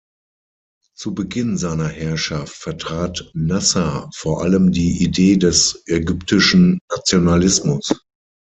Zu Beginn seiner Herrschaft vertrat Nasser vor allem die Idee des ägyptischen Nationalismus.